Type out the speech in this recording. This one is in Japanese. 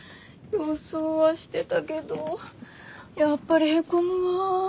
予想はしてたけどやっぱりへこむわ。